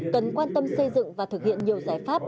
cần quan tâm xây dựng và thực hiện nhiều giải pháp